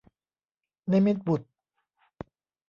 นิมิตรบุตร